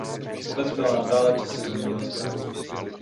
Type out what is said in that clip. Obec byla nadále čistě zemědělská.